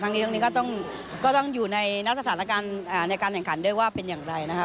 ทั้งนี้ก็ต้องอยู่ในนักสถานการณ์แห่งการด้วยว่าเป็นอย่างไรนะครับ